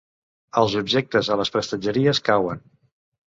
Els objectes a les prestatgeries cauen.